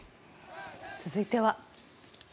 続いては。